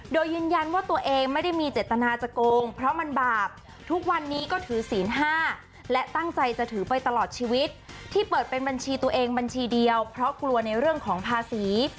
โดยยืนยันว่าตัวเองไม่ได้มีเจตนาจะโกงเพราะมันบาปทุกวันนี้ก็ถือศีล๕และตั้งใจจะถือไปตลอดชีวิตที่เปิดเป็นบัญชีตัวเองบัญชีเดียวเพราะกลัวในเรื่องของภาษี